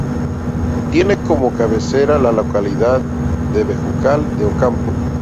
Tiene como Cabecera la localidad de Bejucal de Ocampo.